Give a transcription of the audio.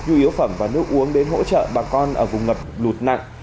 nhu yếu phẩm và nước uống đến hỗ trợ bà con ở vùng ngập lụt nặng